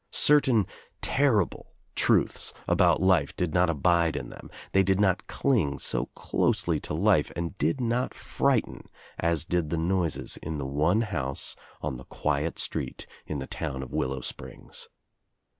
Certain terrible truths about life did not abide in them, they did not cling so closely to life and did not frighten as did the noises in the one house on the quiet street in the town of Willow Springs.